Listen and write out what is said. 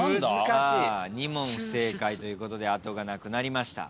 ２問不正解ということで後がなくなりました。